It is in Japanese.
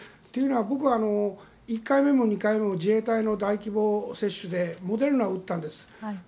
というのは、僕は１回目も２回目も自衛隊の大規模接種でモデルナを打ったんです。